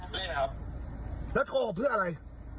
ไม่ครับแล้วโทรมาเพื่ออะไร